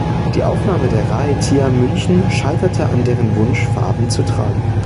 Die Aufnahme der Rhaetia München scheiterte an deren Wunsch Farben zu tragen.